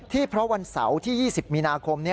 เพราะวันเสาร์ที่๒๐มีนาคม